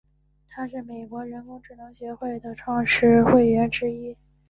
他是美国人工智能协会的创始会员之一。